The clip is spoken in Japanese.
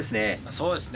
そうですね。